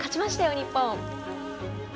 日本。